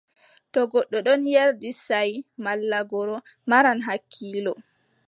To goɗɗo ɗon yerdi saaʼi malla gooro, maran hakkiilo.